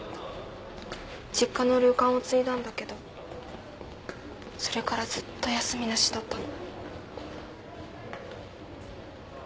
実家の旅館を継いだんだけどそれからずっと休みなしだったの。